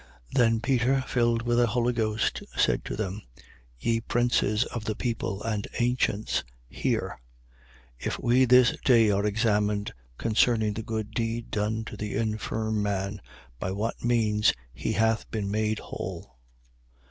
4:8. Then Peter, filled with the Holy Ghost, said to them: Ye princes of the people and ancients, hear. 4:9. If we this day are examined concerning the good deed done to the infirm man, by what means he hath been made whole: 4:10.